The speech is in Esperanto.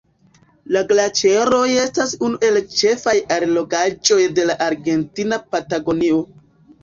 La glaĉeroj estas unu el ĉefaj allogaĵoj de la Argentina Patagonio.